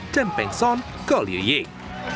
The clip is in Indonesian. dan pengson kolioying